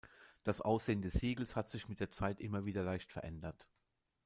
Das Aussehen des Siegels hat sich mit der Zeit immer wieder leicht verändert.